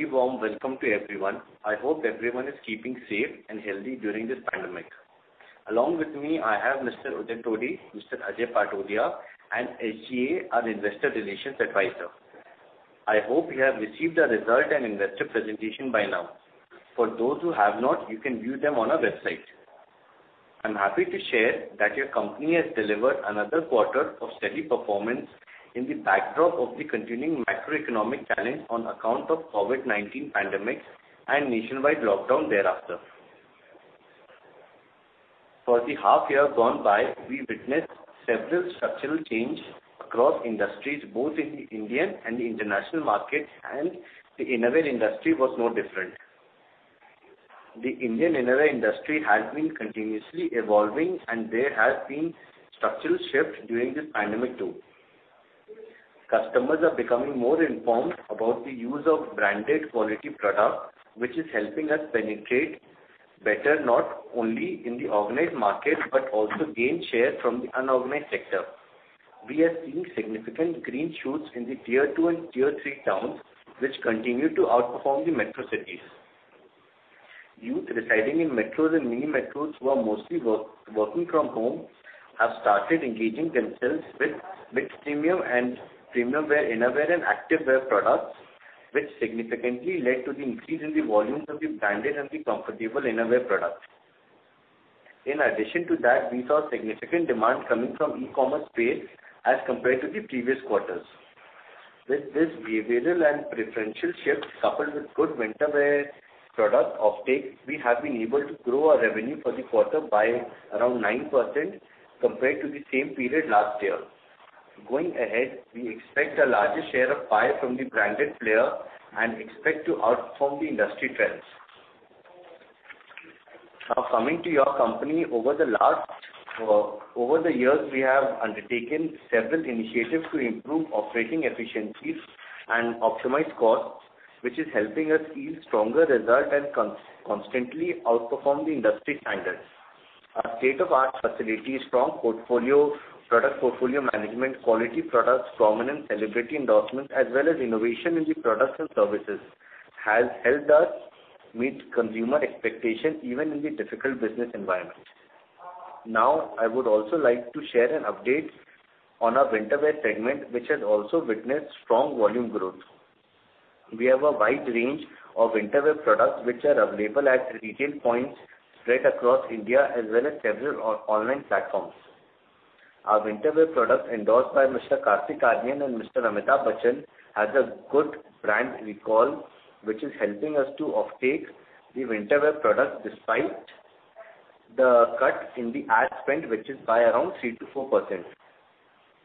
Very warm welcome to everyone. I hope everyone is keeping safe and healthy during this pandemic. Along with me, I have Mr. Udit Todi, Mr. Ajay Patodia, and SGA, our Investor Relations Advisor. I hope you have received our results and investor presentation by now. For those who have not, you can view them on our website. I'm happy to share that your company has delivered another quarter of steady performance in the backdrop of the continuing macroeconomic challenge on account of COVID-19 pandemic and nationwide lockdown thereafter. For the half year gone by, we witnessed several structural changes across industries, both in the Indian and the international markets, and the innerwear industry was no different. The Indian innerwear industry has been continuously evolving, and there has been structural shift during this pandemic, too. Customers are becoming more informed about the use of branded quality product, which is helping us penetrate better, not only in the organized market, but also gain share from the unorganized sector. We are seeing significant green shoots in the Tier 2 and Tier 3 towns, which continue to outperform the metro cities. Youth residing in metros and mini metros, who are mostly working from home, have started engaging themselves with mid-premium and premium wear innerwear and activewear products, which significantly led to the increase in the volumes of the branded and the comfortable innerwear products. In addition to that, we saw significant demand coming from e-commerce space as compared to the previous quarters. With this behavioral and preferential shift, coupled with good winter wear product offtake, we have been able to grow our revenue for the quarter by around 9% compared to the same period last year. Going ahead, we expect a larger share of pie from the branded player and expect to outperform the industry trends. Now, coming to your company, over the last, over the years, we have undertaken several initiatives to improve operating efficiencies and optimize costs, which is helping us yield stronger result and constantly outperform the industry standards. Our state-of-the-art facility, strong portfolio, product portfolio management, quality products, prominent celebrity endorsements, as well as innovation in the products and services, has helped us meet consumer expectations even in the difficult business environment. Now, I would also like to share an update on our winter wear segment, which has also witnessed strong volume growth. We have a wide range of winter wear products, which are available at retail points spread across India, as well as several online platforms. Our winter wear products, endorsed by Mr. Kartik Aaryan and Mr. Amitabh Bachchan has a good brand recall, which is helping us to offtake the winter wear products, despite the cut in the ad spend, which is by around 3%-4%.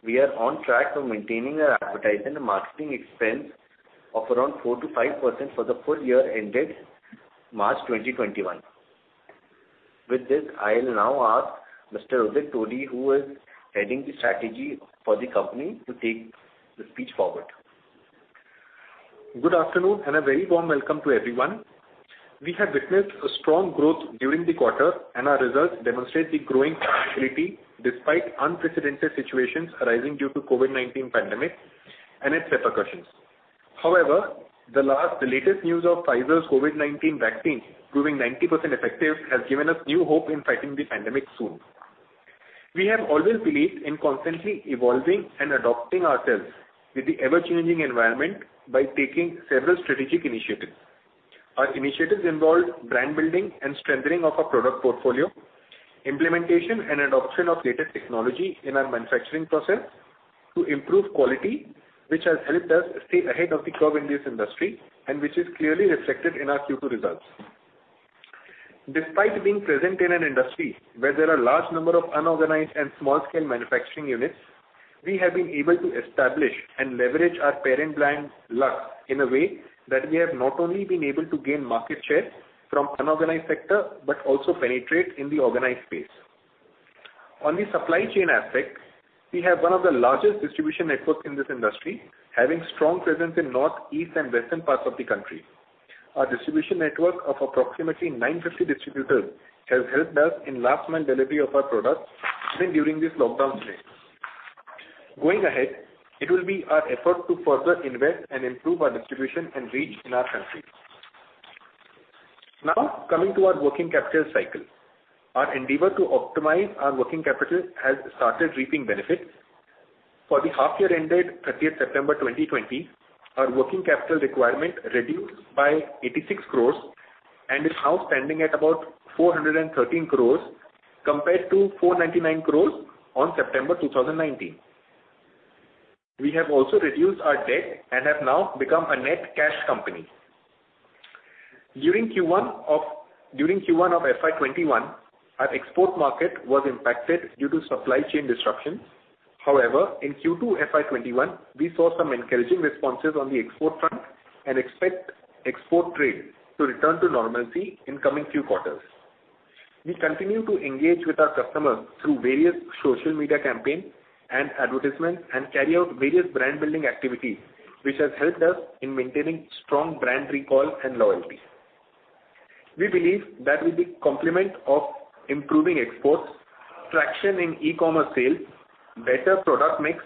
We are on track for maintaining our advertising and marketing expense of around 4%-5% for the full year ended March twenty twenty-one. With this, I'll now ask Mr. Uday Todi, who is heading the strategy for the company, to take the speech forward. Good afternoon, and a very warm welcome to everyone. We have witnessed a strong growth during the quarter, and our results demonstrate the growing profitability, despite unprecedented situations arising due to COVID-19 pandemic and its repercussions. However, the latest news of Pfizer's COVID-19 vaccine proving 90% effective, has given us new hope in fighting the pandemic soon. We have always believed in constantly evolving and adapting ourselves with the ever-changing environment by taking several strategic initiatives. Our initiatives involved brand building and strengthening of our product portfolio, implementation and adoption of latest technology in our manufacturing process to improve quality, which has helped us stay ahead of the curve in this industry, and which is clearly reflected in our Q2 results. Despite being present in an industry where there are large number of unorganized and small-scale manufacturing units, we have been able to establish and leverage our parent brand, Lux, in a way that we have not only been able to gain market share from unorganized sector, but also penetrate in the organized space. On the supply chain aspect, we have one of the largest distribution networks in this industry, having strong presence in North, East and Western parts of the country. Our distribution network of approximately 950 distributors has helped us in last mile delivery of our products, even during this lockdown phase. Going ahead, it will be our effort to further invest and improve our distribution and reach in our country. Now, coming to our working capital cycle. Our endeavor to optimize our working capital has started reaping benefits. For the half year ended 30 September 2020, our working capital requirement reduced by 86 crores and is now standing at about 413 crores, compared to 499 crores on September 2019. We have also reduced our debt and have now become a net cash company. During Q1 of FY 2021, our export market was impacted due to supply chain disruptions. However, in Q2 FY 2021, we saw some encouraging responses on the export front and expect export trade to return to normalcy in coming few quarters. We continue to engage with our customers through various social media campaign and advertisements, and carry out various brand building activities, which has helped us in maintaining strong brand recall and loyalty. We believe that with the complement of improving exports, traction in e-commerce sales, better product mix,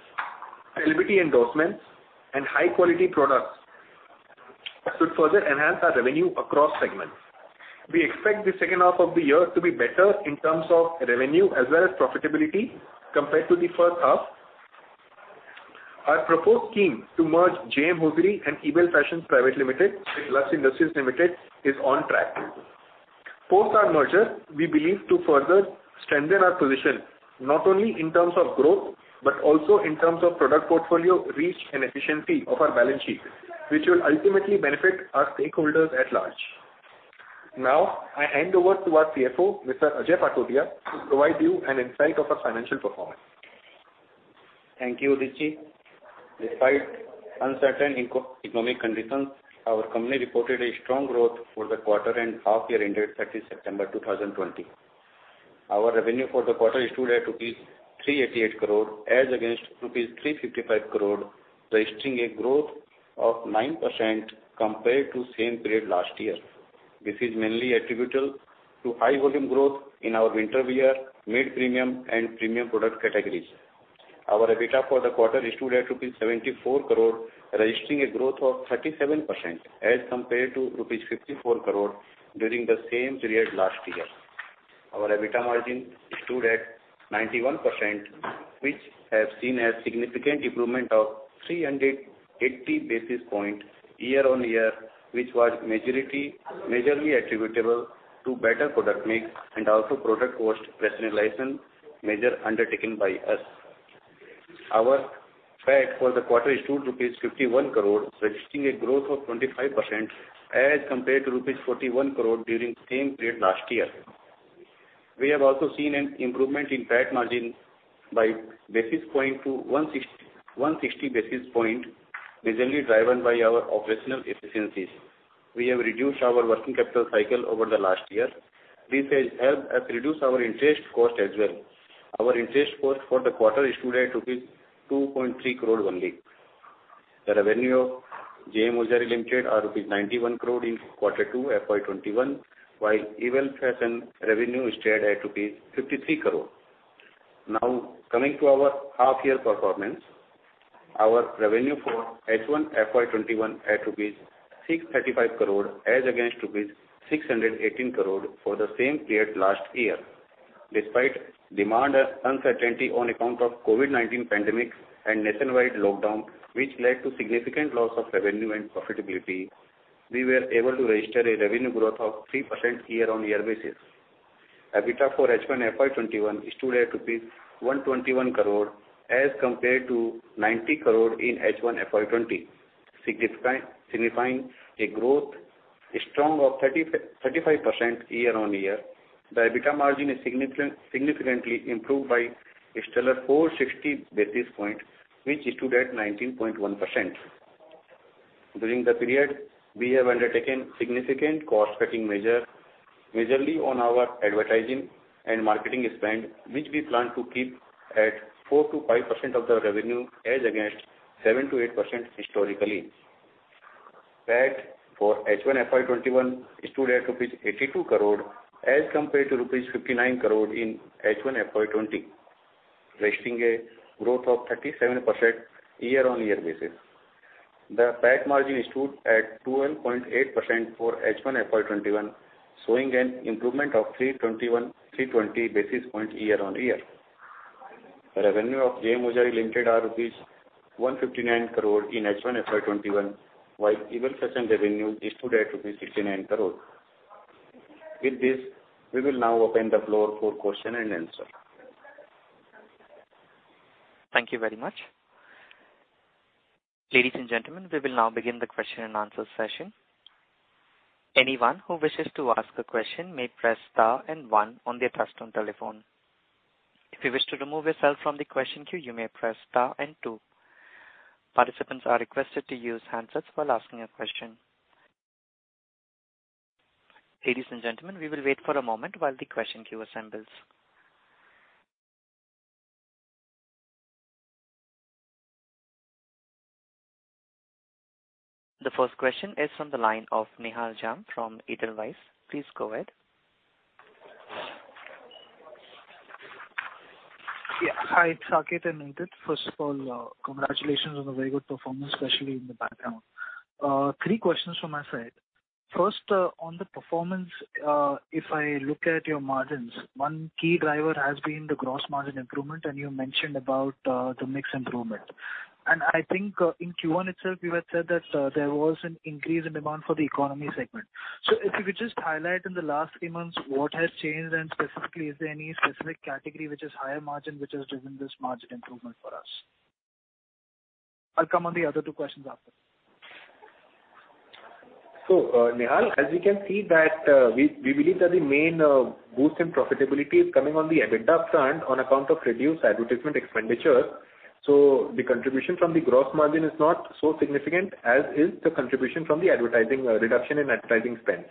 celebrity endorsements, and high quality products, should further enhance our revenue across segments. We expect the second half of the year to be better in terms of revenue as well as profitability compared to the first half. Our proposed scheme to merge JM Hosiery and Ebell Fashions Private Limited with Lux Industries Limited is on track. Post our merger, we believe to further strengthen our position, not only in terms of growth, but also in terms of product portfolio, reach, and efficiency of our balance sheet, which will ultimately benefit our stakeholders at large. Now, I hand over to our CFO, Mr. Ajay Patodia, to provide you an insight of our financial performance. Thank you, [Udit]. Despite uncertain economic conditions, our company reported a strong growth for the quarter and half year ended 30 September 2020. Our revenue for the quarter stood at 388 crore, as against rupees 355 crore, registering a growth of 9% compared to same period last year. This is mainly attributable to high volume growth in our winter wear, mid-premium and premium product categories. Our EBITDA for the quarter stood at 74 crore, registering a growth of 37%, as compared to rupees 54 crore during the same period last year. Our EBITDA margin stood at 91%, which has seen a significant improvement of 380 basis points year on year, which was majorly attributable to better product mix and also product cost rationalization measure undertaken by us. Our PAT for the quarter stood at 51 crore, registering a growth of 25% as compared to rupees 41 crore during same period last year. We have also seen an improvement in PAT margin by 160 basis points, majorly driven by our operational efficiencies. We have reduced our working capital cycle over the last year. This has helped us reduce our interest cost as well. Our interest cost for the quarter stood at 2.3 crore only. The revenue of JM Hosiery Limited are rupees 91 crore in quarter two FY 2021, while Ebell Fashions revenue stayed at rupees 53 crore. Now, coming to our half year performance. Our revenue for H1 FY 2021 at rupees 635 crore as against rupees 618 crore for the same period last year. Despite demand uncertainty on account of COVID-19 pandemic and nationwide lockdown, which led to significant loss of revenue and profitability, we were able to register a revenue growth of 3% year-on-year basis. EBITDA for H1 FY 2021 stood at rupees 121 crore as compared to 90 crore in H1 FY 2020, signifying a strong growth of 35% year on year. The EBITDA margin is significant, significantly improved by a stellar 460 basis points, which stood at 19.1%. During the period, we have undertaken significant cost cutting measure, majorly on our advertising and marketing spend, which we plan to keep at 4%-5% of the revenue, as against 7%-8% historically. PAT for H1 FY 2021 stood at 82 crore as compared to rupees 59 crore in H1 FY 2020, registering a growth of 37% year on year basis. The PAT margin stood at 2.8% for H1 FY 2021, showing an improvement of 321 basis points year on year. Revenue of JM Hosiery Limited are rupees 159 crore in H1 FY 2021, while Ebell Fashions revenue stood at rupees 69 crore. With this, we will now open the floor for question-and-answer. Thank you very much. Ladies and gentlemen, we will now begin the question and answer session. Anyone who wishes to ask a question may press star and one on their touchtone telephone. If you wish to remove yourself from the question queue, you may press star and two. Participants are requested to use handsets while asking a question. Ladies and gentlemen, we will wait for a moment while the question queue assembles. The first question is from the line of Nihal Jham from Edelweiss. Please go ahead. Yeah. Hi, it's Nihal from Edelweiss. First of all, congratulations on a very good performance, especially in the background. Three questions from my side. First, on the performance, if I look at your margins, one key driver has been the gross margin improvement, and you mentioned about the mix improvement, and I think in Q1 itself, you had said that there was an increase in demand for the economy segment. So if you could just highlight in the last three months, what has changed? And specifically, is there any specific category which is higher margin, which has driven this margin improvement for us? I'll come on the other two questions after. So, Nihal, as you can see that, we believe that the main boost in profitability is coming on the EBITDA front on account of reduced advertisement expenditure. So the contribution from the gross margin is not so significant, as is the contribution from the advertising, reduction in advertising spend.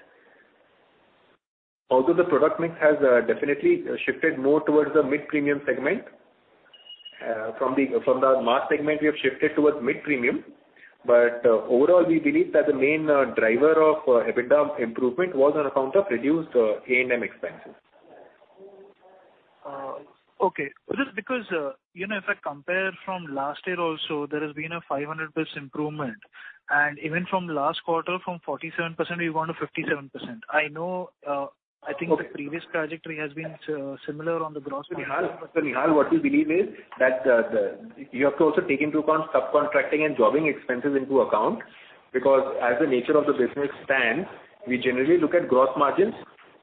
Also, the product mix has definitely shifted more towards the mid-premium segment. From the mass segment, we have shifted towards mid-premium. But overall, we believe that the main driver of EBITDA improvement was on account of reduced [A&M ]expenses. Okay. Just because, you know, if I compare from last year also, there has been a 500% improvement, and even from last quarter, from 47%, we've gone to 57%. I know, I think- Okay. The previous trajectory has been similar on the gross. Nihal, so Nihal, what we believe is that you have to also take into account subcontracting and jobbing expenses into account, because as the nature of the business stands, we generally look at gross margins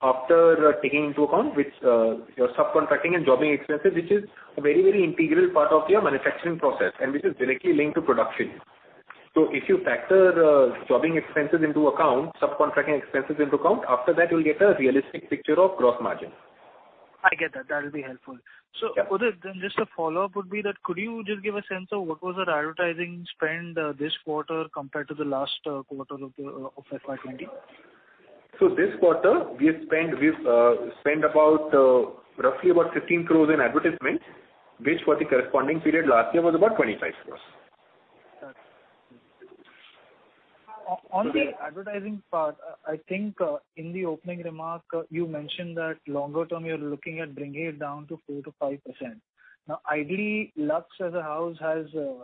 after taking into account which your subcontracting and jobbing expenses, which is a very, very integral part of your manufacturing process, and this is directly linked to production. So if you factor the jobbing expenses into account, subcontracting expenses into account, after that you'll get a realistic picture of gross margin. I get that. That will be helpful. Yeah. So Uday, then just a follow-up would be that, could you just give a sense of what was our advertising spend this quarter compared to the last quarter of FY 2020? This quarter, we've spent roughly about 15 crores in advertisement, which for the corresponding period last year was about 25 crores. Got it. So- Advertising part, I think, in the opening remark, you mentioned that longer term you're looking at bringing it down to 4%-5%. Now, ideally, Lux as a house has, you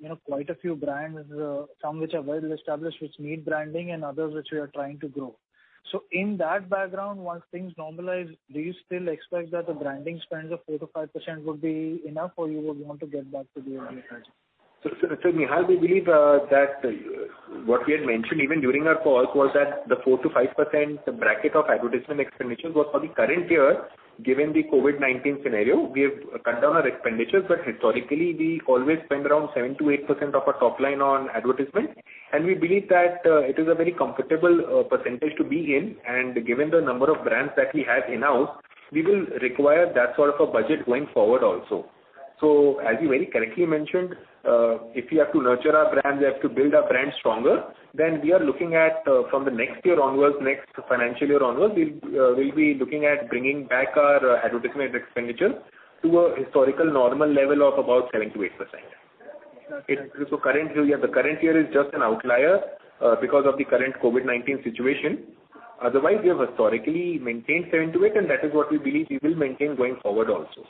know, quite a few brands, some which are well established, which need branding, and others which we are trying to grow. So in that background, once things normalize, do you still expect that the branding spends of 4%-5% would be enough, or you would want to get back to the earlier days? Nihal, we believe that what we had mentioned even during our call was that the 4%-5% bracket of advertisement expenditures was for the current year. Given the COVID-19 scenario, we have cut down our expenditures, but historically, we always spend around 7%-8% of our top line on advertisement, and we believe that it is a very comfortable percentage to be in, and given the number of brands that we have in-house, we will require that sort of a budget going forward also. So as you very correctly mentioned, if we have to nurture our brand, we have to build our brand stronger, then we are looking at from the next year onwards, next financial year onwards, we'll be looking at bringing back our advertisement expenditure to a historical normal level of about 7%-8%. So currently, yeah, the current year is just an outlier because of the current COVID-19 situation. Otherwise, we have historically maintained 7%-8%, and that is what we believe we will maintain going forward also.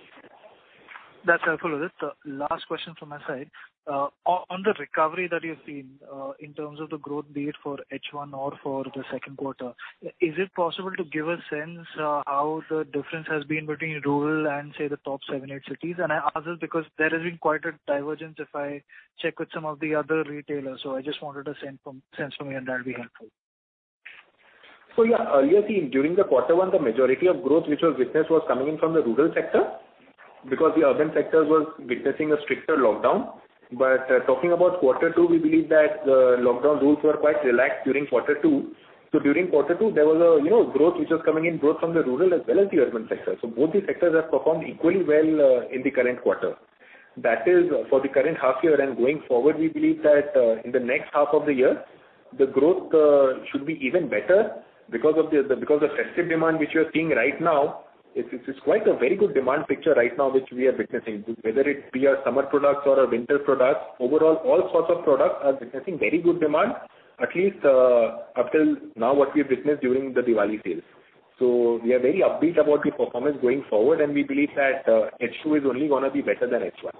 That's helpful, Udit. Last question from my side. On the recovery that you've seen, in terms of the growth, be it for H1 or for the second quarter, is it possible to give a sense, how the difference has been between rural and, say, the top seven, eight cities? And I ask this because there has been quite a divergence if I check with some of the other retailers. So I just wanted a sense from you, and that'll be helpful. So yeah, earlier seen, during the quarter one, the majority of growth which was witnessed was coming in from the rural sector, because the urban sectors was witnessing a stricter lockdown. But talking about quarter two, we believe that lockdown rules were quite relaxed during quarter two. So during quarter two, there was a, you know, growth which was coming in, growth from the rural as well as the urban sector. So both these sectors have performed equally well in the current quarter. That is for the current half year, and going forward, we believe that in the next half of the year, the growth should be even better because of festive demand, which we are seeing right now. It's quite a very good demand picture right now, which we are witnessing. Whether it be our summer products or our winter products, overall, all sorts of products are witnessing very good demand, at least until now, what we have witnessed during the Diwali sales. So we are very upbeat about the performance going forward, and we believe that H2 is only gonna be better than H1.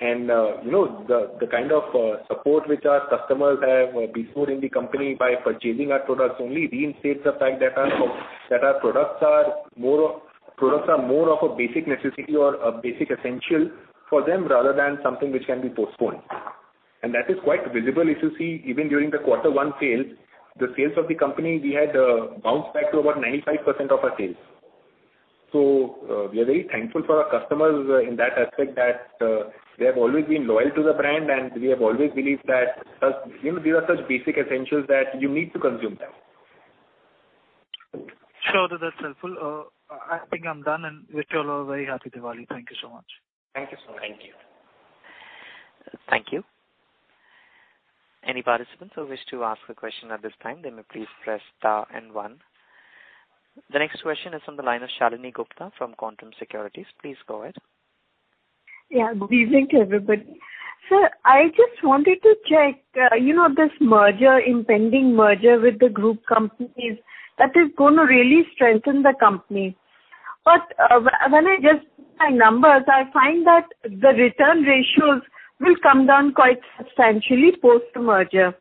You know, the kind of support which our customers have bestowed upon the company by purchasing our products only reinstates the fact that our products are more of a basic necessity or a basic essential for them, rather than something which can be postponed. That is quite visible. If you see, even during the quarter one sales, the sales of the company, we had bounced back to about 95% of our sales. We are very thankful for our customers in that aspect that they have always been loyal to the brand, and we have always believed that, you know, these are such basic essentials that you need to consume them. Sure, Udit, that's helpful. I think I'm done, and wish you all a very happy Diwali. Thank you so much. Thank you so much. Thank you. Thank you. Any participants who wish to ask a question at this time, then may please press star and one. The next question is on the line of Shalini Gupta from Quantum Securities. Please go ahead. Yeah, good evening to everybody. Sir, I just wanted to check, you know, this merger, impending merger with the group companies, that is gonna really strengthen the company. But when I run my numbers, I find that the return ratios will come down quite substantially post the merger.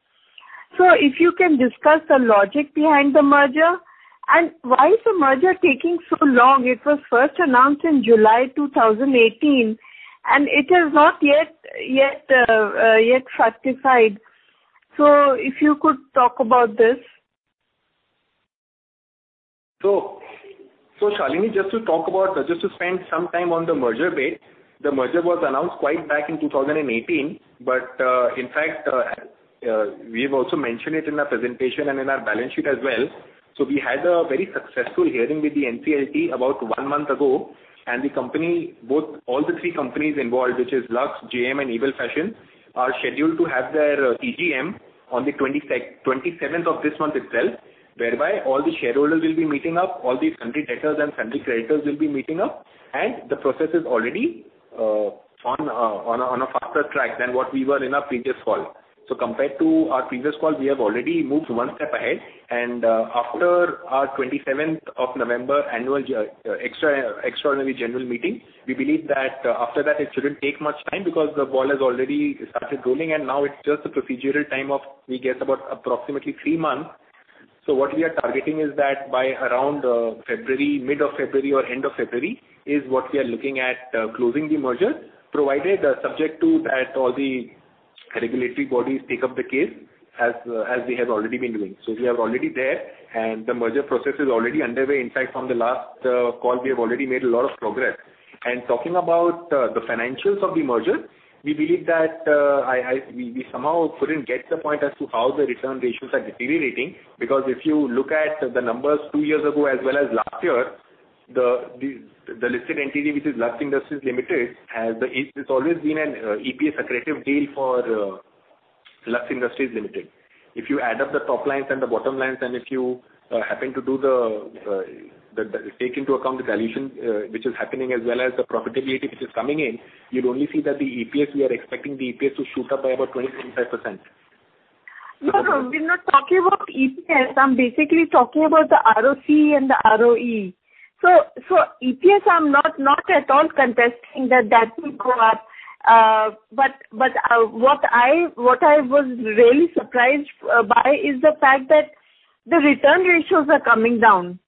So if you can discuss the logic behind the merger, and why is the merger taking so long? It was first announced in July 2018, and it is not yet ratified. So if you could talk about this. Shalini, just to talk about, just to spend some time on the merger bit, the merger was announced quite back in 2018, but in fact we have also mentioned it in our presentation and in our balance sheet as well. We had a very successful hearing with the NCLT about one month ago, and the company, all three companies involved, which is Lux, JM, and Ebell Fashion, are scheduled to have their EGM on the twenty-seventh of this month itself, whereby all the shareholders will be meeting up, all the secured debtors and secured creditors will be meeting up, and the process is already on a faster track than what we were in our previous call. Compared to our previous call, we have already moved one step ahead. And, after our twenty-seventh of November annual extraordinary general meeting, we believe that, after that, it shouldn't take much time because the ball has already started rolling, and now it's just a procedural time of, we guess, about approximately three months. So what we are targeting is that by around, February, mid of February or end of February, is what we are looking at, closing the merger, provided the subject to that all the regulatory bodies take up the case as, as they have already been doing. So we are already there, and the merger process is already underway. In fact, from the last, call, we have already made a lot of progress. And talking about the financials of the merger, we believe that we somehow couldn't get the point as to how the return ratios are deteriorating. Because if you look at the numbers two years ago as well as last year, the listed entity, which is Lux Industries Limited, has. It's always been an EPS accretive deal for Lux Industries Limited. If you add up the top lines and the bottom lines, and if you happen to take into account the dilution which is happening, as well as the profitability which is coming in, you'd only see that the EPS, we are expecting the EPS to shoot up by about 20-25%. No, no, we're not talking about EPS. I'm basically talking about the ROC and the ROE. So, EPS, I'm not at all contesting that that will go up. But, what I was really surprised by is the fact that the return ratios are coming down.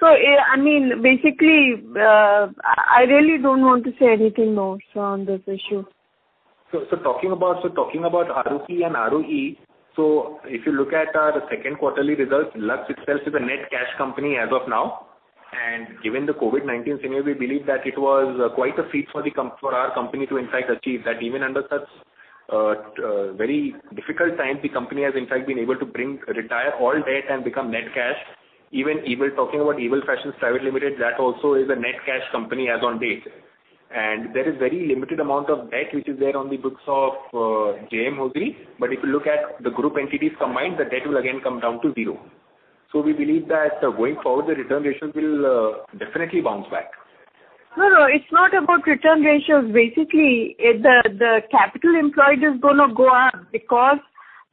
So, I mean, basically, I really don't want to say anything more, sir, on this issue. Talking about ROC and ROE, if you look at our second quarterly results, Lux itself is a net cash company as of now. Given the COVID-19 scenario, we believe that it was quite a feat for our company to in fact achieve that. Even under such very difficult times, the company has in fact been able to bring, retire all debt and become net cash. Even Ebell, talking about Ebell Fashions Private Limited, that also is a net cash company as on date. There is very limited amount of debt which is there on the books of JM Hosiery. But if you look at the group entities combined, the debt will again come down to zero. We believe that going forward, the return ratios will definitely bounce back. No, no, it's not about return ratios. Basically, the capital employed is gonna go up because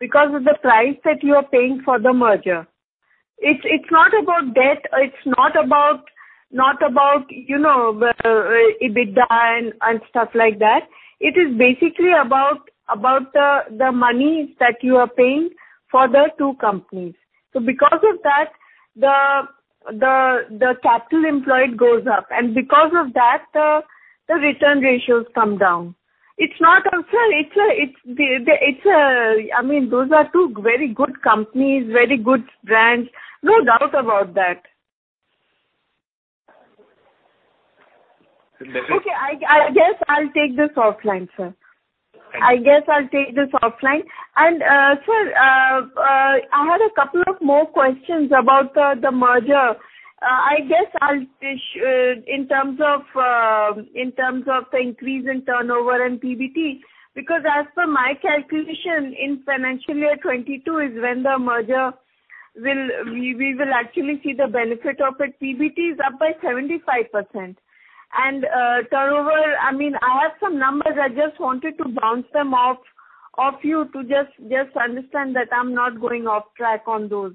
of the price that you are paying for the merger. It's not about debt. It's not about, you know, EBITDA and stuff like that. It is basically about the money that you are paying for the two companies. So because of that, the capital employed goes up, and because of that, the return ratios come down. It's not also... It's a-- I mean, those are two very good companies, very good brands, no doubt about that. So that is. Okay, I guess I'll take this offline, sir. Thank you. I guess I'll take this offline, and sir, I had a couple of more questions about the merger. I guess I'll push in terms of the increase in turnover and PBT. Because as per my calculation, in financial year 2022 is when the merger will... we will actually see the benefit of it. PBT is up by 75%. And turnover, I mean, I have some numbers. I just wanted to bounce them off you to just understand that I'm not going off track on those.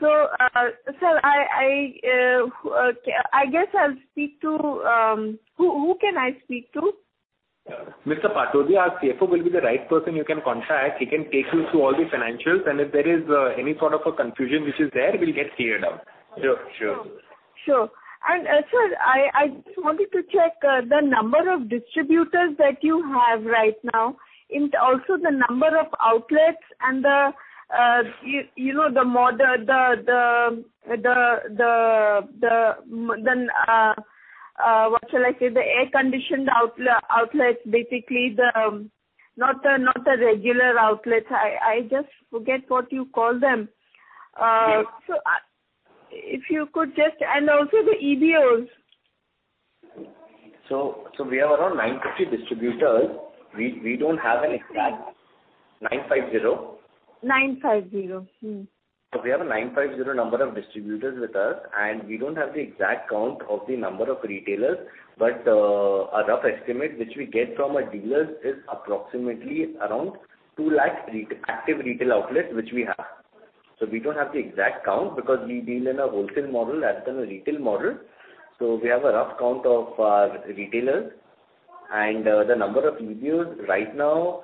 So sir, I guess I'll speak to... who can I speak to? Mr. Patodia, our CFO, will be the right person you can contact. He can take you through all the financials, and if there is any sort of a confusion which is there, we'll get cleared out. Sure, sure. Sure. And, sir, I just wanted to check the number of distributors that you have right now, and also the number of outlets and the, you know, what shall I say, the air-conditioned outlets, basically not the regular outlets. I just forget what you call them. Yes. If you could just... and also the EBOs. So we have around 950 distributors. We don't have an exact- Mm-hmm. 950. 950. Mm-hmm. We have a 950 number of distributors with us, and we don't have the exact count of the number of retailers. But a rough estimate, which we get from our dealers, is approximately around two lakh active retail outlets, which we have. So we don't have the exact count because we deal in a wholesale model rather than a retail model. So we have a rough count of retailers. And the number of EBOs right now,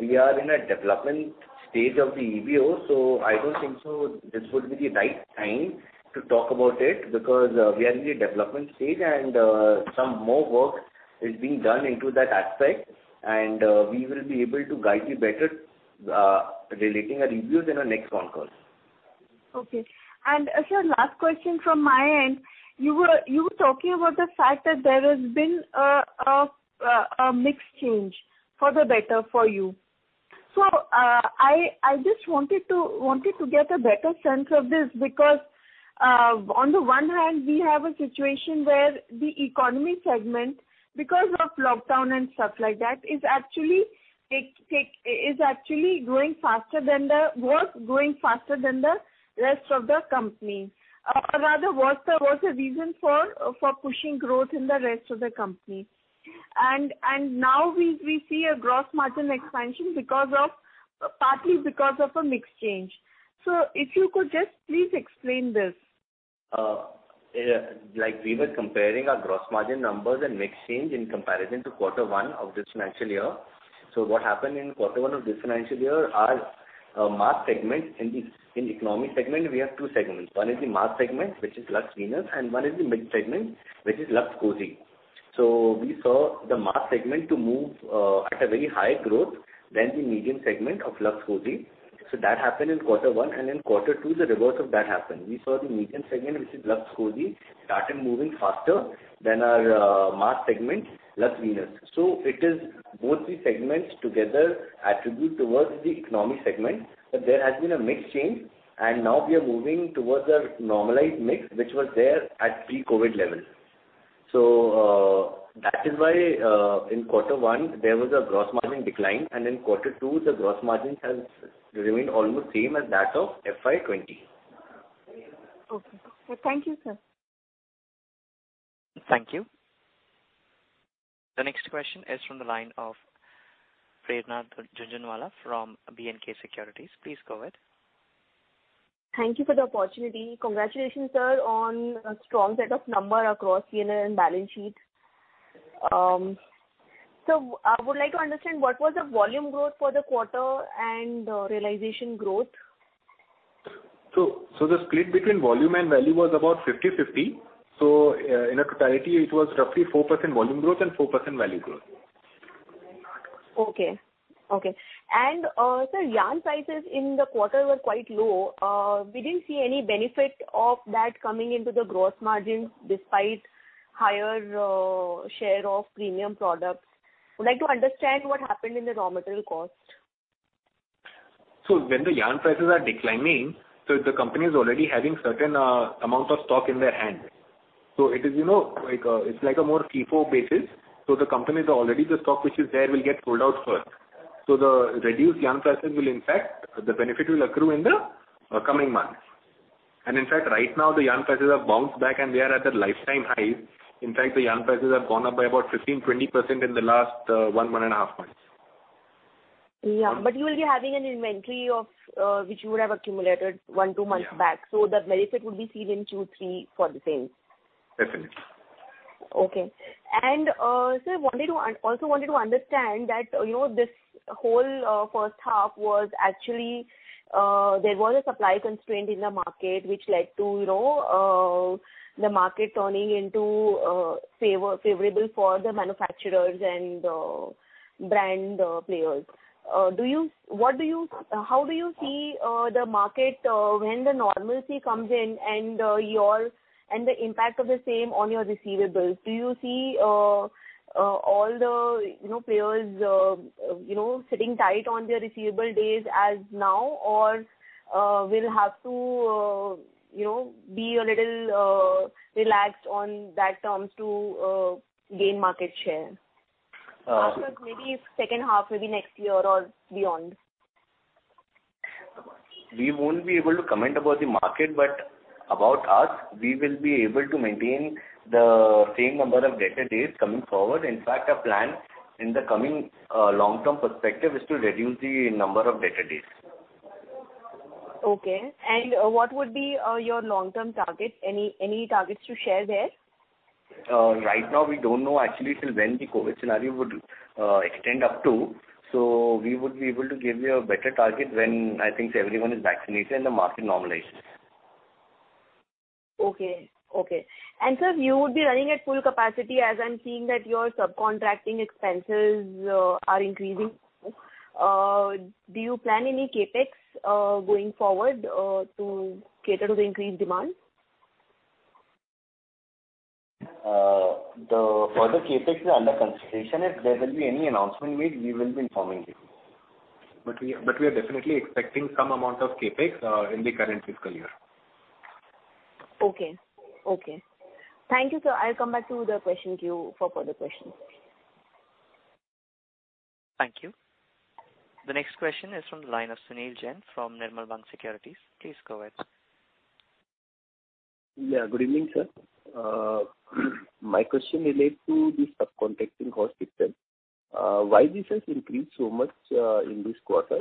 we are in a development stage of the EBO, so I don't think so this would be the right time to talk about it, because we are in a development stage and some more work is being done into that aspect, and we will be able to guide you better relating our reviews in our next concall. Okay. And, sir, last question from my end. You were talking about the fact that there has been a mix change for the better for you. So, I just wanted to get a better sense of this, because on the one hand, we have a situation where the economy segment, because of lockdown and stuff like that, is actually growing faster than the rest of the company. Rather, what's the reason for pushing growth in the rest of the company? And now we see a gross margin expansion because of, partly because of a mix change. So if you could just please explain this? Yeah, like we were comparing our gross margin numbers and mix change in comparison to quarter one of this financial year. So what happened in quarter one of this financial year, our mass segment in economy segment, we have two segments. One is the mass segment, which is Lux Venus, and one is the mid segment, which is Lux Cozi. So we saw the mass segment to move at a very high growth than the medium segment of Lux Cozi. So that happened in quarter one, and in quarter two, the reverse of that happened. We saw the medium segment, which is Lux Cozi, started moving faster than our mass segment, Lux Venus. So it is both the segments together contribute to the economy segment, but there has been a mix change, and now we are moving towards a normalized mix, which was there at pre-COVID levels. So, that is why, in quarter one, there was a gross margin decline, and in quarter two, the gross margin has remained almost same as that of FY 20. Okay. Thank you, sir. Thank you. The next question is from the line of Prerna Jhunjhunwala from B&K Securities. Please go ahead. Thank you for the opportunity. Congratulations, sir, on a strong set of number across P&L and balance sheet. So I would like to understand what was the volume growth for the quarter and realization growth? So the split between volume and value was about 50/50. So, in a totality, it was roughly 4% volume growth and 4% value growth. Okay, okay. And, sir, yarn prices in the quarter were quite low. We didn't see any benefit of that coming into the gross margins despite higher share of premium products. I'd like to understand what happened in the raw material cost. So when the yarn prices are declining, so the company is already having certain amount of stock in their hand. So it is, you know, like a, it's like a more [FIFO basis], so the company is already the stock which is there will get sold out first. So the reduced yarn prices will impact, the benefit will accrue in the coming months. And in fact, right now, the yarn prices have bounced back, and they are at their lifetime high. In fact, the yarn prices have gone up by about 15%-20% in the last one and a half months. Yeah, but you will be having an inventory of, which you would have accumulated one, two months back. Yeah. So the benefit would be seen in two, three quarters then. Definitely. Okay. And sir, I also wanted to understand that, you know, this whole first half was actually there was a supply constraint in the market, which led to, you know, the market turning into favorable for the manufacturers and brand players. How do you see the market when the normalcy comes in and the impact of the same on your receivables? Do you see all the, you know, players, you know, sitting tight on their receivable days as now, or will have to, you know, be a little relaxed on that term to gain market share? Uh- After maybe second half, maybe next year or beyond. We won't be able to comment about the market, but about us, we will be able to maintain the same number of debtor days coming forward. In fact, our plan in the coming, long-term perspective is to reduce the number of debtor days. Okay. And what would be your long-term target? Any targets to share there? Right now, we don't know actually till when the COVID scenario would extend up to. So we would be able to give you a better target when I think everyone is vaccinated and the market normalizes. Okay, okay. And sir, you would be running at full capacity, as I'm seeing that your subcontracting expenses are increasing. Do you plan any CapEx going forward to cater to the increased demand? The further CapEx are under consideration. If there will be any announcement made, we will be informing you. But we are definitely expecting some amount of CapEx in the current fiscal year. Okay, okay. Thank you, sir. I'll come back to the question queue for further questions. Thank you. The next question is from the line of Sunil Jain from Nirmal Bang Securities. Please go ahead. Yeah, good evening, sir. My question relates to the subcontracting cost picture. Why this has increased so much in this quarter?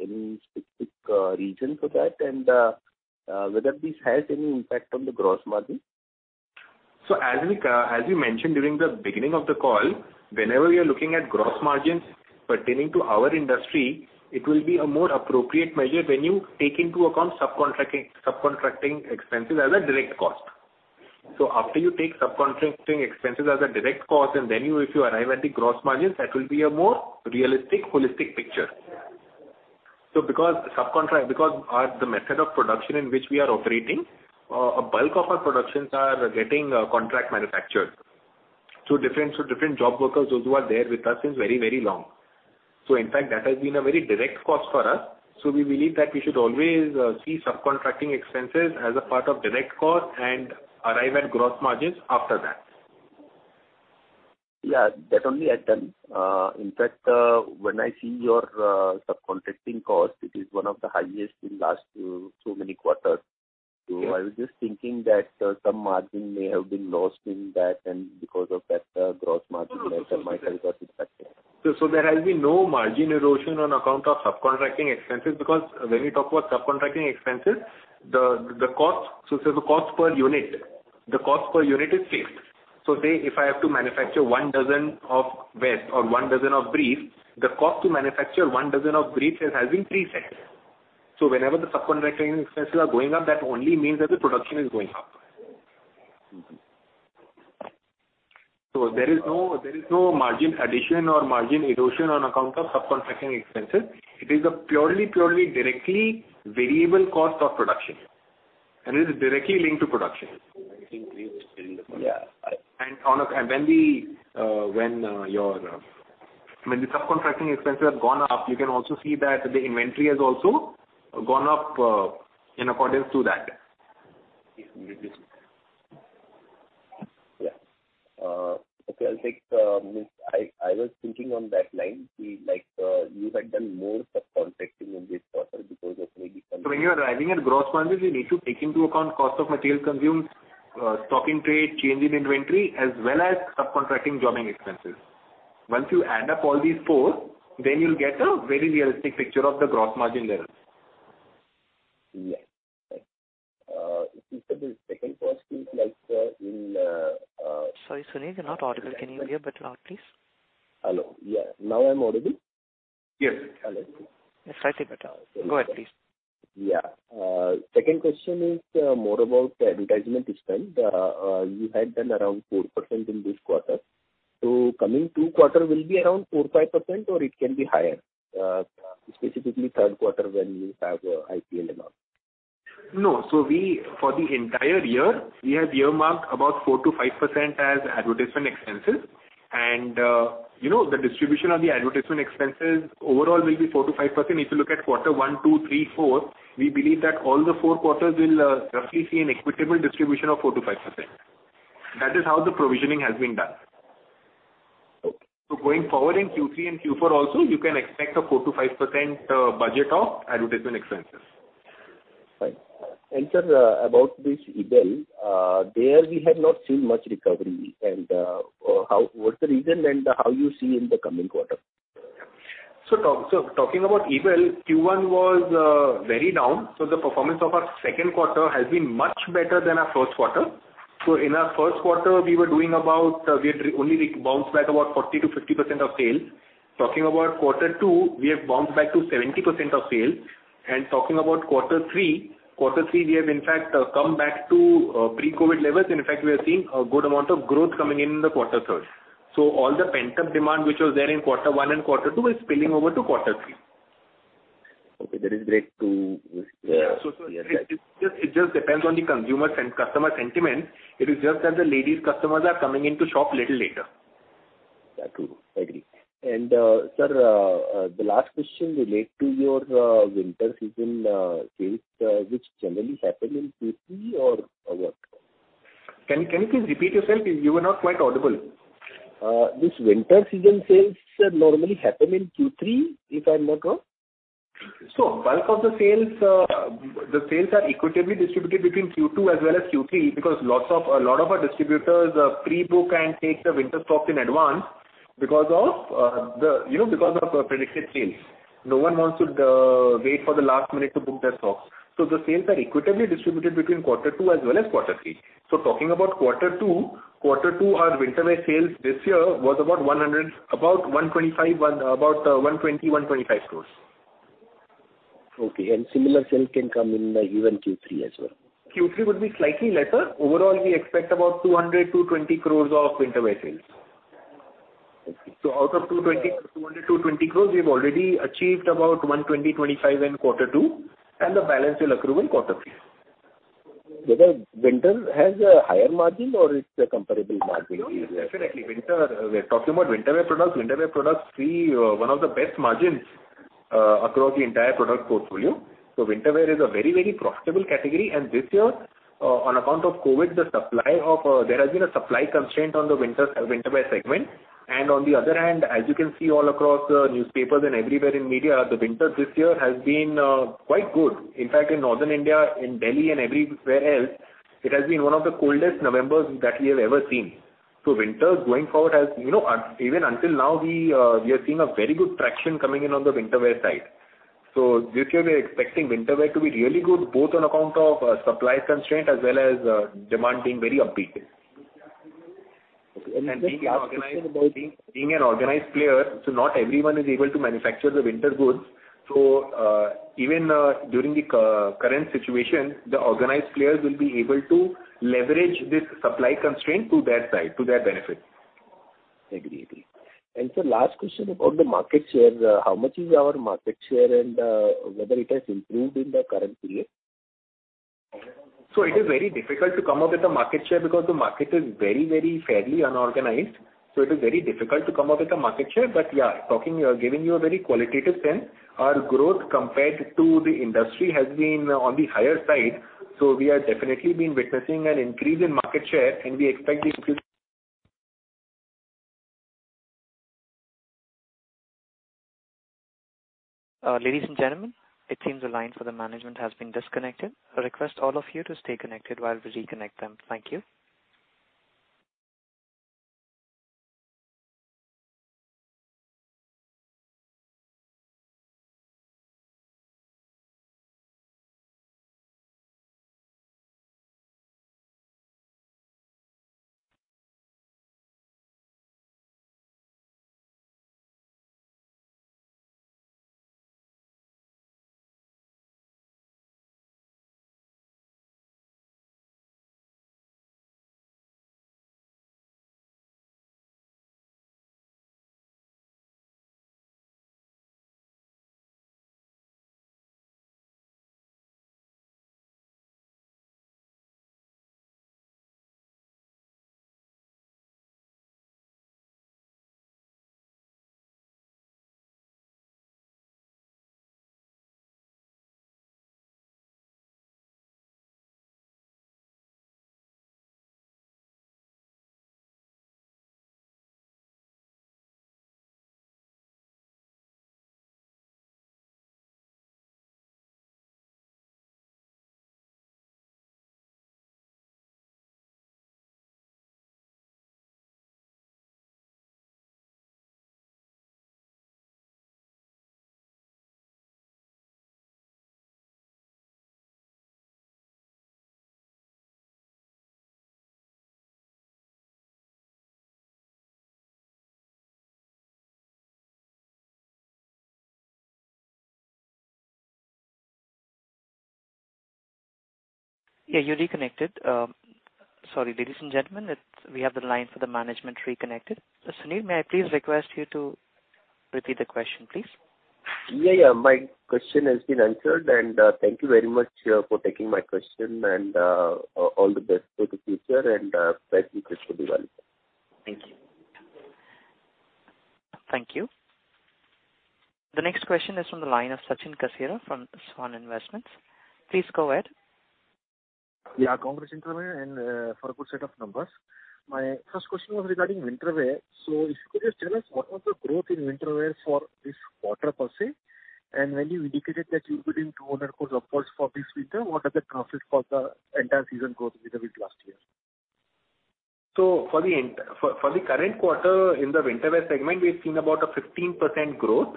Any specific reason for that? And whether this has any impact on the gross margin? So as we, as we mentioned during the beginning of the call, whenever we are looking at gross margins pertaining to our industry, it will be a more appropriate measure when you take into account subcontracting, subcontracting expenses as a direct cost. So after you take subcontracting expenses as a direct cost, and then you, if you arrive at the gross margins, that will be a more realistic, holistic picture. So because subcontract, because our, the method of production in which we are operating, a bulk of our productions are getting, contract manufactured. So different, so different job workers, those who are there with us is very, very long. So in fact, that has been a very direct cost for us. So we believe that we should always, see subcontracting expenses as a part of direct cost and arrive at gross margins after that. Yeah, that only I've done. In fact, when I see your subcontracting cost, it is one of the highest in last so many quarters. Yes. So I was just thinking that, some margin may have been lost in that, and because of that, the gross margin might have got impacted. There has been no margin erosion on account of subcontracting expenses, because when you talk about subcontracting expenses, the cost, so say the cost per unit is fixed. So say, if I have to manufacture one dozen of vest or one dozen of briefs, the cost to manufacture one dozen of briefs has been pre-set. So whenever the subcontracting expenses are going up, that only means that the production is going up. Mm-hmm. So there is no margin addition or margin erosion on account of subcontracting expenses. It is a purely directly variable cost of production, and it is directly linked to production. I think we will still... Yeah, I- When the subcontracting expenses have gone up, you can also see that the inventory has also gone up in accordance to that. Yes, completely. Yeah. Okay, I'll take... I was thinking on that line, we like, you had done more subcontracting in this quarter because of maybe- When you are arriving at gross margins, you need to take into account cost of material consumed, stock in trade, change in inventory, as well as subcontracting jobbing expenses. Once you add up all these four, then you'll get a very realistic picture of the gross margin levels. Yeah. Since that's the second question, like. Sorry, Sunil, you're not audible. Can you be a bit loud, please? Hello. Yeah, now I'm audible? Yes. Hello. Slightly better. Go ahead, please. Yeah. Second question is more about the advertisement spend. You had done around 4% in this quarter. So coming two quarter will be around 4%-5%, or it can be higher, specifically third quarter when you have IPL amount? No. So we, for the entire year, we have earmarked about 4%-5% as advertisement expenses. And, you know, the distribution of the advertisement expenses overall will be 4%-5%. If you look at quarter one, two, three, four, we believe that all the four quarters will roughly see an equitable distribution of 4%-5%. That is how the provisioning has been done. Okay. Going forward in Q3 and Q4 also, you can expect a 4%-5% budget of advertisement expenses. Right. And sir, about this Ebell, there we have not seen much recovery. And, what's the reason and how you see in the coming quarter? Talking about Ebell, Q1 was very down, so the performance of our second quarter has been much better than our first quarter. So in our first quarter, we were doing about, we had only bounced back about 40%-50% of sales. Talking about quarter two, we have bounced back to 70% of sales, and talking about quarter three, we have in fact come back to pre-COVID levels. In fact, we are seeing a good amount of growth coming in in the quarter third. So all the pent-up demand, which was there in quarter one and quarter two, is spilling over to quarter three. Okay, that is great to hear that. Yeah. So it just depends on the customer sentiment. It is just that the ladies customers are coming in to shop little later. That's true. I agree. And, sir, the last question relate to your winter season sales, which generally happen in Q3 or what? Can you please repeat yourself? You were not quite audible. This winter season sales normally happen in Q3, if I'm not wrong? So bulk of the sales, the sales are equitably distributed between Q2 as well as Q3, because a lot of our distributors pre-book and take the winter stock in advance because of, you know, because of predicted sales. No one wants to wait for the last minute to book their stocks. So the sales are equitably distributed between quarter two as well as quarter three. So talking about quarter two, quarter two, our winter wear sales this year was about 100, about 125, about 120, 125 crores. Okay, and similar sales can come in even Q3 as well? Q3 would be slightly lesser. Overall, we expect about 200-220 crores of winter wear sales. Okay. Out of 220, 200-220 crores, we've already achieved about 120-125 in quarter two, and the balance will accrue in quarter three. Whether winter has a higher margin or it's a comparable margin? No, definitely. Winter, we're talking about winter wear products. Winter wear products see one of the best margins across the entire product portfolio. So winter wear is a very, very profitable category. And this year, on account of COVID, there has been a supply constraint on the winter wear segment. And on the other hand, as you can see all across newspapers and everywhere in media, the winter this year has been quite good. In fact, in Northern India, in Delhi and everywhere else, it has been one of the coldest Novembers that we have ever seen. So winter going forward, as you know, even until now, we are seeing a very good traction coming in on the winter wear side. So this year we are expecting winter wear to be really good, both on account of supply constraint as well as demand being very upbeat. Okay. Let me ask a question about- And being an organized player, so not everyone is able to manufacture the winter goods. So, even during the current situation, the organized players will be able to leverage this supply constraint to their side, to their benefit.... Agreeably. And so last question about the market share, how much is our market share and whether it has improved in the current period? So it is very difficult to come up with a market share because the market is very, very fairly unorganized, so it is very difficult to come up with a market share. But yeah, talking, giving you a very qualitative sense, our growth compared to the industry has been on the higher side, so we have definitely been witnessing an increase in market share, and we expect the increase- Ladies and gentlemen, it seems the line for the management has been disconnected. I request all of you to stay connected while we reconnect them. Thank you. Yeah, you're reconnected. Sorry, ladies and gentlemen, it's, we have the line for the management reconnected. So Sunil, may I please request you to repeat the question, please? Yeah, yeah. My question has been answered, and thank you very much for taking my question and all the best for the future and thank you. Thank you. Thank you. The next question is from the line of Sachin Kasera from SVAN Investments. Please go ahead. Yeah, congratulations, and, for a good set of numbers. My first question was regarding winter wear. So if you could just tell us, what was the growth in winter wear for this quarter per se? And when you indicated that you're building 200 crores upwards for this winter, what are the targets for the entire season growth with the last year? For the current quarter in the winter wear segment, we've seen about a 15% growth.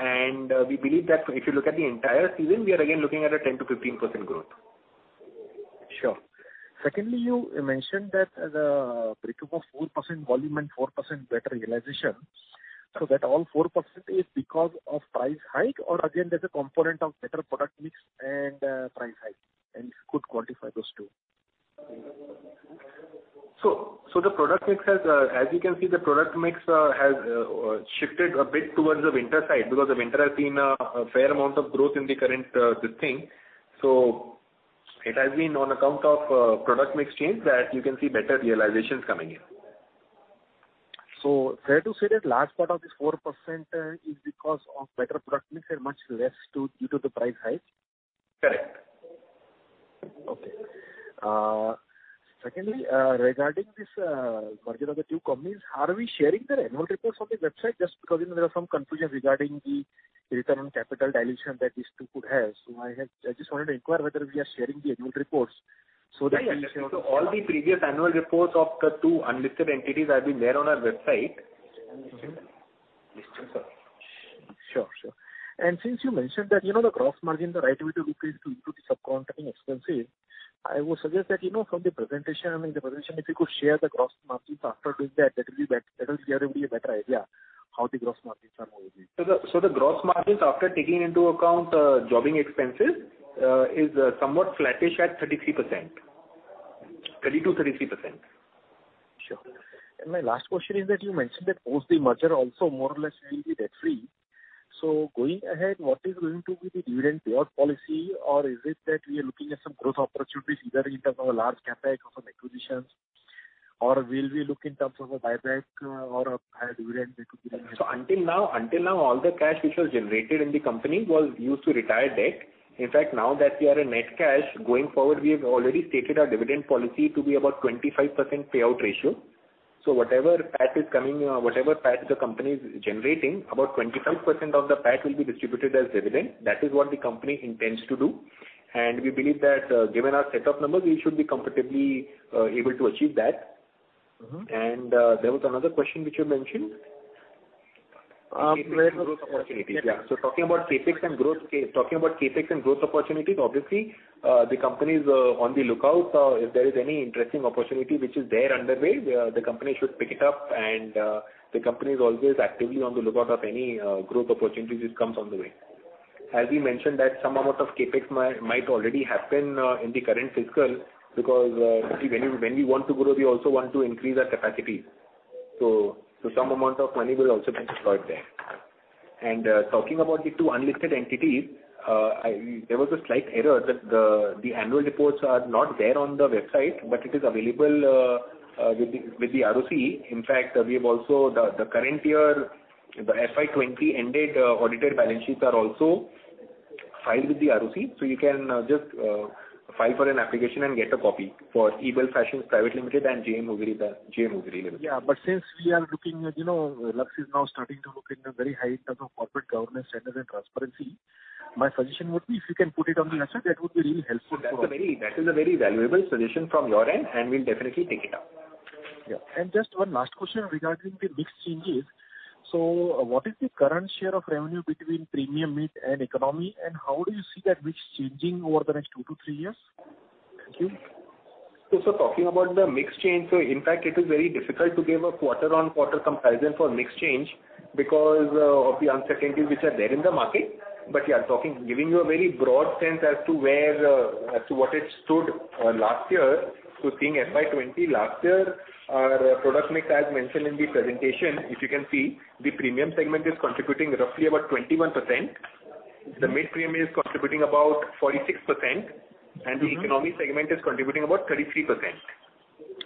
And we believe that if you look at the entire season, we are again looking at a 10%-15% growth. Sure. Secondly, you mentioned that the break-up of 4% volume and 4% better realization, so that all 4% is because of price hike or again, there's a component of better product mix and price hike, and could quantify those two. So, the product mix has, as you can see, shifted a bit towards the winter side, because the winter has been a fair amount of growth in the current this thing, so it has been on account of product mix change that you can see better realizations coming in. So fair to say that last part of this 4% is because of better product mix and much less due to the price hike? Correct. Okay. Secondly, regarding this merger of the two companies, are we sharing the annual reports on the website? Just because there are some confusion regarding the return on capital dilution that this too could have. So I had, I just wanted to inquire whether we are sharing the annual reports so that- So all the previous annual reports of the two unlisted entities have been there on our website. Sure, sure. And since you mentioned that, you know, the gross margin, the right way to decrease to the subcontracting expenses, I would suggest that, you know, from the presentation, I mean, the presentation, if you could share the gross margins after doing that, that will be better, that will give me a better idea how the gross margins are moving. So the gross margins after taking into account jobbing expenses is somewhat flattish at 33%, 32%-33%. Sure. And my last question is that you mentioned that post the merger also more or less we'll be debt free. So going ahead, what is going to be the dividend payout policy? Or is it that we are looking at some growth opportunities either in terms of a large CapEx or some acquisitions, or will we look in terms of a buyback or a higher dividend? So until now, all the cash which was generated in the company was used to retire debt. In fact, now that we are in net cash, going forward, we have already stated our dividend policy to be about 25% payout ratio. So whatever PAT is coming, whatever PAT the company is generating, about 25% of the PAT will be distributed as dividend. That is what the company intends to do. And we believe that, given our set of numbers, we should be comfortably able to achieve that. Mm-hmm. And, there was another question which you mentioned. Growth opportunities. Yeah. So talking about CapEx and growth, talking about CapEx and growth opportunities, obviously, the company is on the lookout. If there is any interesting opportunity which is there underway, the company should pick it up, and the company is always actively on the lookout of any growth opportunities that comes on the way. ...As we mentioned that some amount of CapEx might already happen in the current fiscal, because see, when we want to grow, we also want to increase our capacity. So some amount of money will also be deployed there. And talking about the two unlisted entities, there was a slight error, that the annual reports are not there on the website, but it is available with the ROC. In fact, we have also the current year, the FY 2020 ended audited balance sheets are also filed with the ROC. So you can just file for an application and get a copy for Ebell Fashions Private Limited and JM Hosiery Limited. Yeah, but since we are looking at, you know, Lux is now starting to look in a very high term of corporate governance standards and transparency, my suggestion would be if you can put it on the website, that would be really helpful for us. That is a very valuable suggestion from your end, and we'll definitely take it up. Yeah. And just one last question regarding the mix changes. So what is the current share of revenue between premium, mid, and economy, and how do you see that mix changing over the next two to three years? Thank you. So talking about the mix change, so in fact, it is very difficult to give a quarter-on-quarter comparison for mix change because of the uncertainties which are there in the market. But yeah, talking, giving you a very broad sense as to where, as to what it stood last year, so seeing FY 2020 last year, our product mix, as mentioned in the presentation, if you can see, the premium segment is contributing roughly about 21%, the mid-premium is contributing about 46%. Mm-hmm. and the economy segment is contributing about 33%.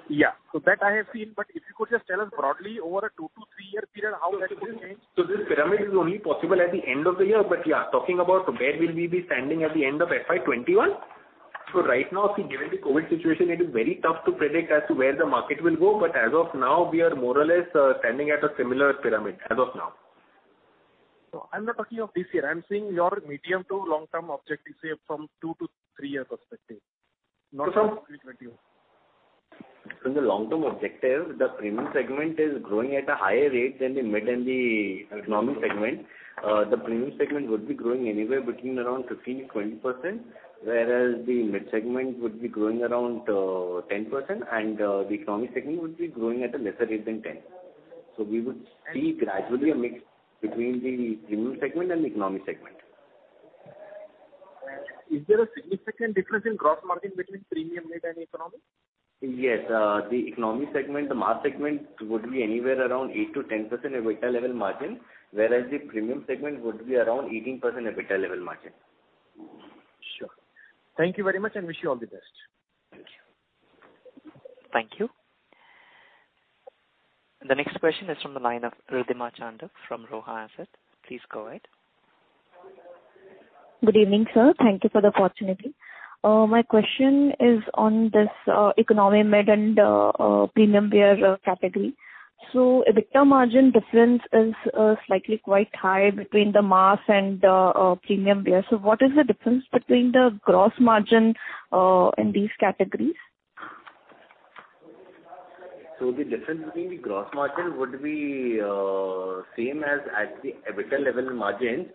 Yeah. So that I have seen, but if you could just tell us broadly over a two to three-year period, how that would change? So this pyramid is only possible at the end of the year. But yeah, talking about where will we be standing at the end of FY twenty-one, so right now, see, given the COVID situation, it is very tough to predict as to where the market will go, but as of now, we are more or less, standing at a similar pyramid, as of now. I'm not talking of this year. I'm saying your medium to long-term objective, say, from two- to three-year perspective, not from FY 2021. So the long-term objective, the premium segment is growing at a higher rate than the mid and the economy segment. The premium segment would be growing anywhere between around 15%-20%, whereas the mid segment would be growing around 10%, and the economy segment would be growing at a lesser rate than 10. So we would see gradually a mix between the premium segment and the economy segment. Is there a significant difference in gross margin between premium, mid, and economy? Yes. The economy segment, the mass segment, would be anywhere around 8%-10% EBITDA level margin, whereas the premium segment would be around 18% EBITDA level margin. Sure. Thank you very much, and wish you all the best. Thank you. Thank you. The next question is from the line of Riddhima Chandak from Roha Asset. Please go ahead. Good evening, sir. Thank you for the opportunity. My question is on this economy, mid, and premium wear category. So EBITDA margin difference is slightly quite high between the mass and the premium wear. So what is the difference between the gross margin in these categories? The difference between the gross margin would be same as at the EBITDA level margin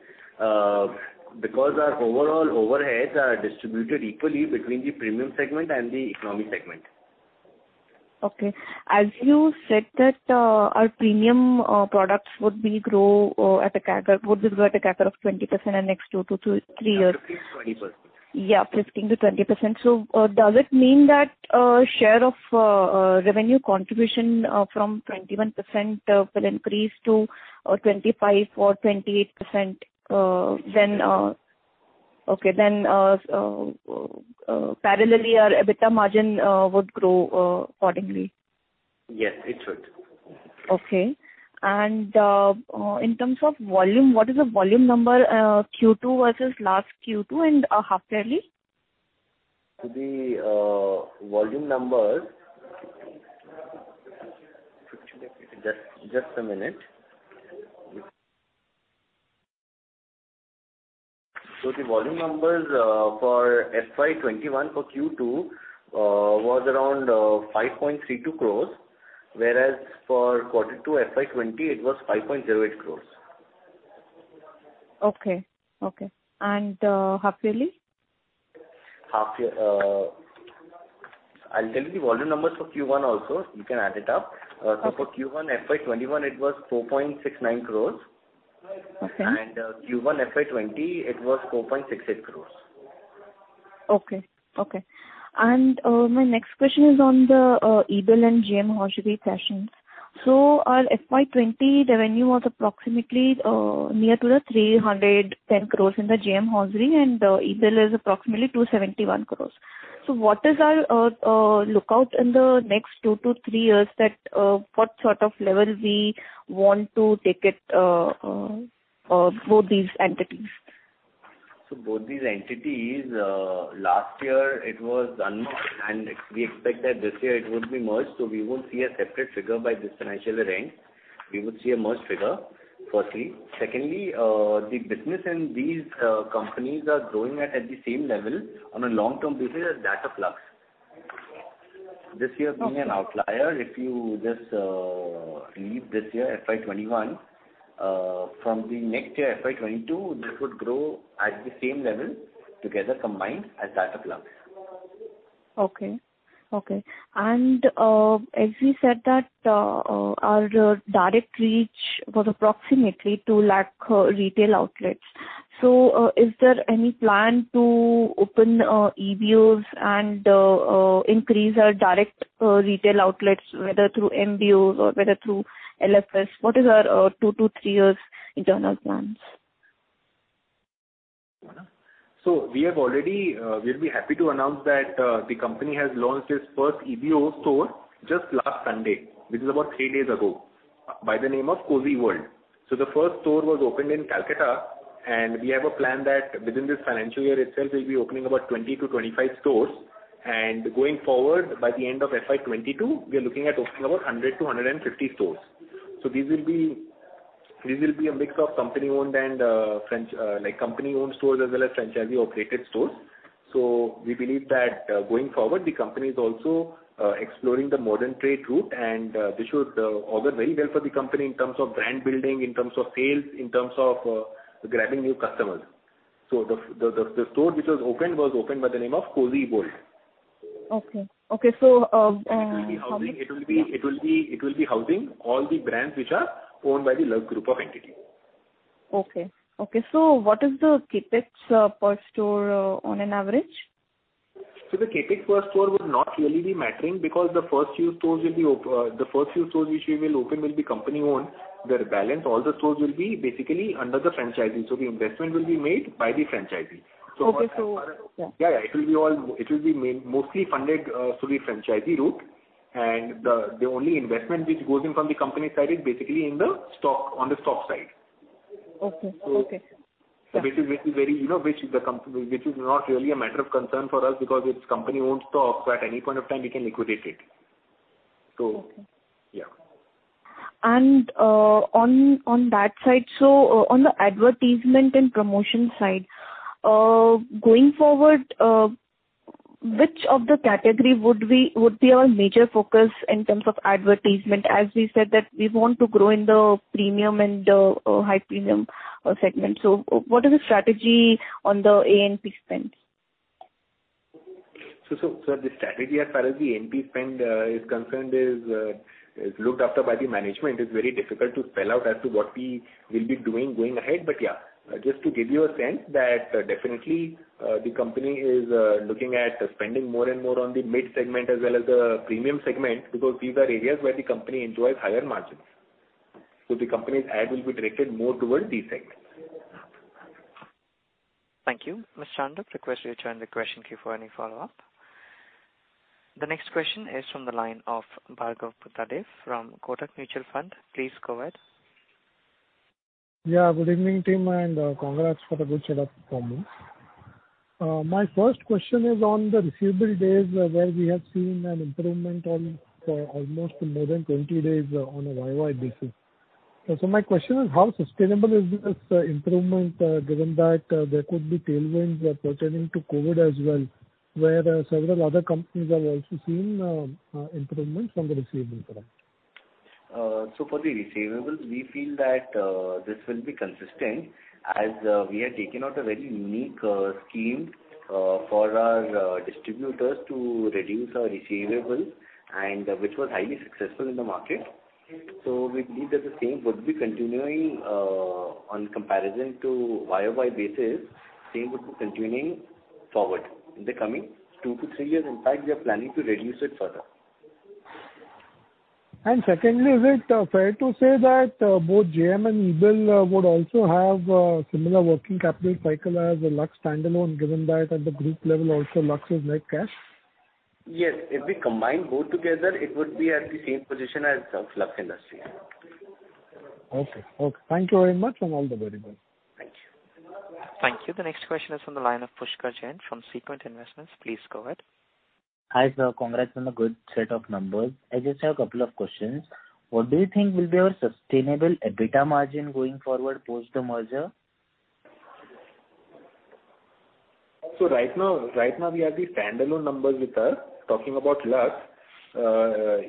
because our overall overheads are distributed equally between the premium segment and the economy segment. Okay. As you said that, our premium products would grow at a CAGR of 20% in next two to three years. 15%-20%. Yeah, 15%-20%. So, does it mean that share of revenue contribution from 21% will increase to 25% or 28%? Then, parallelly our EBITDA margin would grow accordingly. Yes, it should. Okay. And, in terms of volume, what is the volume number, Q2 versus last Q2 and half yearly? Just a minute. So the volume numbers for FY 2021 Q2 was around 5.32 crores, whereas for quarter two, FY 2020, it was 5.08 crores. Okay. Okay. And, half yearly? Half year, I'll tell you the volume numbers for Q1 also. You can add it up. Okay. So for Q1, FY 2021, it was 4.69 crores. Okay. Q1, FY 2020, it was 4.68 crore. My next question is on the Ebell Fashions and JM Hosiery. So our FY 20, the revenue was approximately near to 310 crores in the JM Hosiery, and Ebell is approximately 271 crores. So what is our outlook in the next two to three years that what sort of level we want to take it both these entities? So both these entities, last year it was unmerged, and we expect that this year it would be merged. So we won't see a separate figure by this financial year-end. We would see a merged figure, firstly. Secondly, the business in these companies are growing at the same level on a long-term basis as that of Lux. This year being an outlier, if you just leave this year, FY 2021, from the next year, FY 2022, this would grow at the same level together combined as that of Lux.... Okay, okay. And, as you said that, our direct reach was approximately two lakh retail outlets. So, is there any plan to open EBOs and increase our direct retail outlets, whether through MBOs or whether through LFS? What is our two to three years internal plans? We have already. We'll be happy to announce that the company has launched its first EBO store just last Sunday, which is about three days ago, by the name of Cozi World. The first store was opened in Calcutta, and we have a plan that within this financial year itself, we'll be opening about 20-25 stores. Going forward, by the end of FY 2022, we are looking at opening about 100-150 stores. These will be a mix of company-owned and franchisee-operated stores. We believe that going forward, the company is also exploring the modern trade route, and this should augur very well for the company in terms of brand building, in terms of sales, in terms of grabbing new customers. So the store which was opened was opened by the name of Cozi World. Okay, so It will be housing all the brands which are owned by the Lux Group of entities. Okay. Okay, so what is the CapEx per store on an average? The CapEx per store would not really be mattering because the first few stores which we will open will be company-owned, whereas the balance, all the stores will be basically under the franchisee. The investment will be made by the franchisee. Okay, so- Yeah, yeah, it will be mostly funded through the franchisee route. And the only investment which goes in from the company side is basically in the stock, on the stock side. Okay. Okay. Which is not really a matter of concern for us because it's company-owned stock, so at any point of time, we can liquidate it. So- Okay. Yeah. And, on that side, so, on the advertisement and promotion side, going forward, which of the category would be our major focus in terms of advertisement? As we said that we want to grow in the premium and high premium segment. So what is the strategy on the A&P spend? So the strategy as far as the A&M spend is concerned is looked after by the management. It's very difficult to spell out as to what we will be doing going ahead. But yeah, just to give you a sense that definitely the company is looking at spending more and more on the mid segment as well as the premium segment, because these are areas where the company enjoys higher margins. So the company's ad will be directed more towards these segments. Thank you. Ms. Chandak, I request you to join the question queue for any follow-up. The next question is from the line of Bhargav Buddhadev from Kotak Mutual Fund. Please go ahead. Yeah, good evening, team, and, congrats for the good set of numbers. My first question is on the receivable days, where we have seen an improvement on, almost more than 20 days on a YoY basis. So my question is: How sustainable is this, improvement, given that, there could be tailwinds, pertaining to COVID as well, where, several other companies have also seen, improvement from the receivables side? So for the receivables, we feel that this will be consistent as we have taken out a very unique scheme for our distributors to reduce our receivables, and which was highly successful in the market. So we believe that the same would be continuing on comparison to YOY basis, same would be continuing forward in the coming two to three years. In fact, we are planning to reduce it further. And secondly, is it fair to say that both JM and Ebell would also have similar working capital cycle as the Lux standalone, given that at the group level also, Lux is net cash? Yes, if we combine both together, it would be at the same position as Lux Industries. Okay. Okay. Thank you very much, and all the very best. Thank you. Thank you. The next question is on the line of Pushkar Jain from Sequent Investments. Please go ahead. Hi, sir. Congrats on the good set of numbers. I just have a couple of questions. What do you think will be our sustainable EBITDA margin going forward post the merger? So right now we have the standalone numbers with us. Talking about Lux,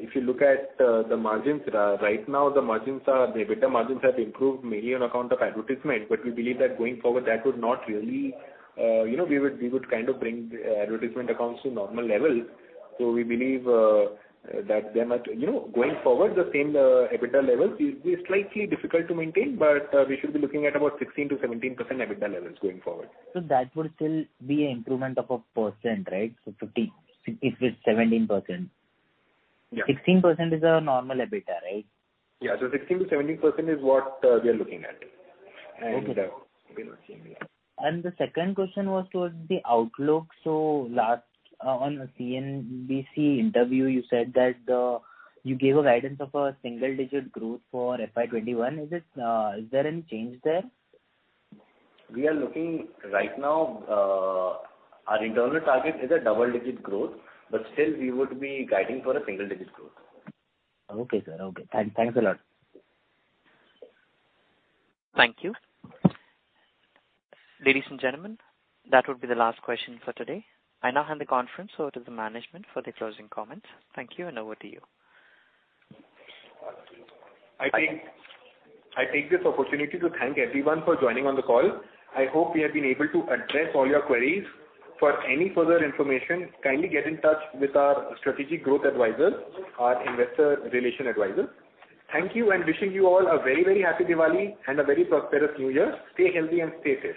if you look at the margins, right now, the margins are, the EBITDA margins have improved mainly on account of advertisement, but we believe that going forward, that would not really... You know, we would kind of bring the advertisement accounts to normal levels. So we believe that they might, you know, going forward, the same EBITDA levels will be slightly difficult to maintain, but we should be looking at about 16%-17% EBITDA levels going forward. So that would still be an improvement of a percent, right? So fifty, if it's 17%. Yeah. 16% is our normal EBITDA, right? Yeah, so 16%-17% is what we are looking at. Okay. We will see. The second question was towards the outlook. Last, on a CNBC interview, you said that you gave a guidance of a single digit growth for FY twenty-one. Is it, is there any change there? We are looking right now, our internal target is a double-digit growth, but still we would be guiding for a single-digit growth. Okay, sir. Thanks a lot. Thank you. Ladies and gentlemen, that would be the last question for today. I now hand the conference over to the management for the closing comments. Thank you, and over to you. I take this opportunity to thank everyone for joining on the call. I hope we have been able to address all your queries. For any further information, kindly get in touch with our strategic growth advisor, our investor relations advisor. Thank you, and wishing you all a very, very happy Diwali and a very prosperous new year. Stay healthy and stay safe.